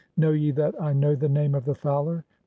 Know ye that (11) I know the name 'of the fowler?